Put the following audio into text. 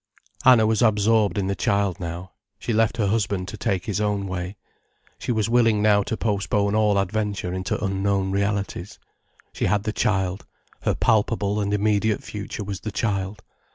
Anna was absorbed in the child now, she left her husband to take his own way. She was willing now to postpone all adventure into unknown realities. She had the child, her palpable and immediate future was the child.